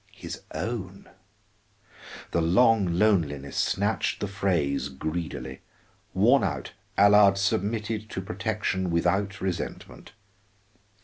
'" His own! The long loneliness snatched the phrase greedily; worn out, Allard submitted to protection without resentment.